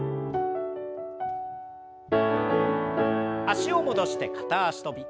脚を戻して片脚跳び。